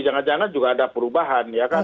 jangan jangan juga ada perubahan ya kan